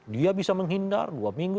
dia bisa menghindar dua minggu